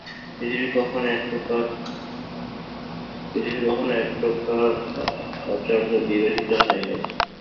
পৃথিবী কখনও এই প্রকার আচার্য-বিরহিত হয় নাই।